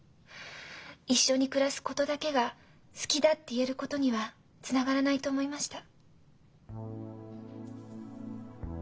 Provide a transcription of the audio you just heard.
一緒に暮らすことだけが「好きだ」って言えることにはつながらないと思いました。